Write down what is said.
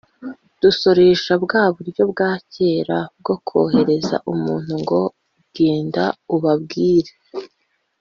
dukoresha bwa buryo bwa kera bwo kohereza umuntu ngo ‘genda ubambwirire